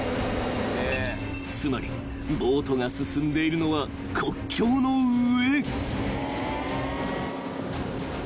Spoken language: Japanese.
［つまりボートが進んでいるのは国境の上］